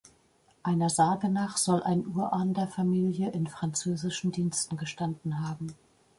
Einer Sage nach soll ein Urahn der Familie in französischen Diensten gestanden haben.